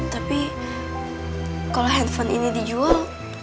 tapi kalau handphone ini dijual